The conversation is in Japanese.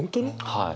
はい。